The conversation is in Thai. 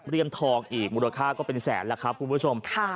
ทองอีกมูลค่าก็เป็นแสนแล้วครับคุณผู้ชม